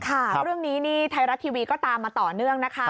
ค่ะเรื่องนี้ไทยรัตน์ทีวีก็ตามมาต่อเนื่องนะคะ